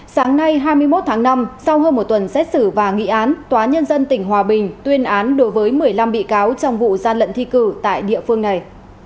sáng nay hai mươi một tháng năm sau hơn một tuần xét xử và nghị án tòa nhân dân tỉnh hòa bình tuyên án đối với một mươi năm bị cáo trong vụ gian lận thi cử tại địa phương này